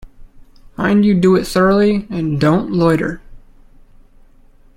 Mind you do it thoroughly, and don't loiter.